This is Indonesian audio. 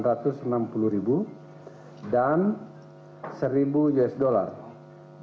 dan pengiriman mobil mitsubishi triton berikut sebuah kuncinya